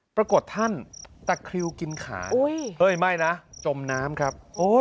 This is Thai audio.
ปรากฏท่านตะคริวกินขาเฮ้ยไม่นะจมน้ำครับ